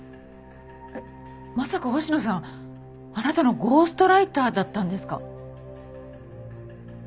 えっまさか星野さんあなたのゴーストライターだったんですか？